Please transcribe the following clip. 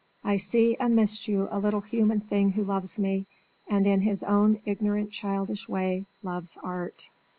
I see amidst you a little human thing who loves me, and in his own ignorant childish way loves Art.